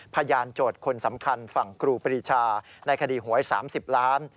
โจทย์คนสำคัญฝั่งครูปรีชาในคดีหวย๓๐ล้าน